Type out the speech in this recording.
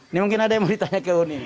ini mungkin ada yang mau ditanya ke uni